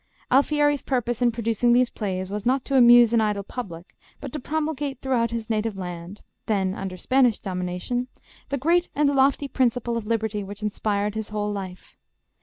Alfieri's purpose in producing these plays was not to amuse an idle public, but to promulgate throughout his native land then under Spanish domination the great and lofty principle of liberty which inspired his whole life.